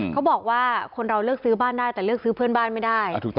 เขาบอกว่าคนเราเลือกซื้อบ้านได้แต่เลือกซื้อเพื่อนบ้านไม่ได้